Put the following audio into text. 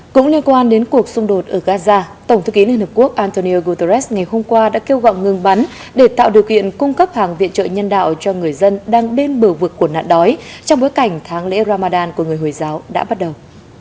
cũng liên quan đến cuộc xung đột ở gaza tổng thư ký liên hợp quốc antonio guterres ngày hôm qua đã kêu gọi ngừng bắn để tạo điều kiện cung cấp hàng viện trợ nhân đạo cho người dân đang bên bờ vực của nạn đói trong bối cảnh tháng lễ ramadan của người hồi giáo đã bắt đầu